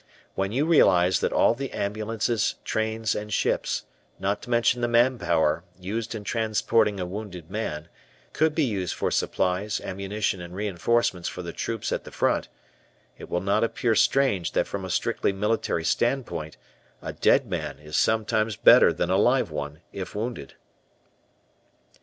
When you realize that all the ambulances, trains, and ships, not to mention the man power, used in transporting a wounded man, could be used for supplies, ammunition, and reinforcements for the troops at the front, it will not appear strange that from a strictly military standpoint, a dead man is sometimes better than a live one (if wounded).